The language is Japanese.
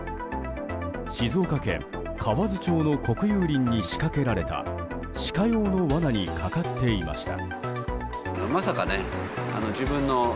静岡県河津町の国有林に仕掛けられたシカ用の罠にかかっていました。